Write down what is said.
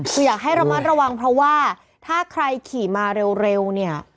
คืออยากให้ระมัดระวังเพราะว่าถ้าใครขี่มาเร็วเนี่ย